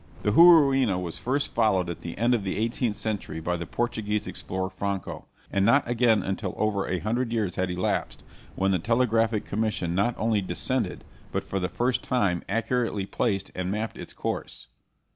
The Juruena was first followed at the end of the eighteenth century by the Portuguese explorer Franco, and not again until over a hundred years had elapsed, when the Telegraphic Commission not only descended, but for the first time accurately placed and mapped its course.